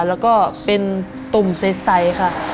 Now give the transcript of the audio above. แล้วก็เป็นตุ่มใสค่ะ